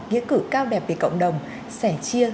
nghĩa cử cao đẹp về cộng đồng sẻ chia